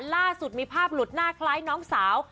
ล่าสุดมีภาพหลุดหน้าคล้ายน้องสาว